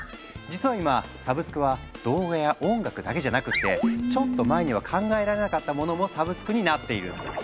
実は今サブスクは動画や音楽だけじゃなくってちょっと前には考えられなかったものもサブスクになっているんです。